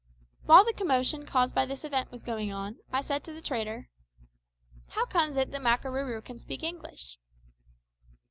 While the commotion caused by this event was going on, I said to the trader "How comes it that Makarooroo can speak English?"